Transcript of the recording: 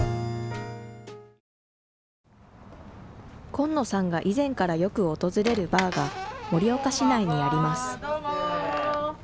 金野さんが以前からよく訪れるバーが盛岡市内にあります。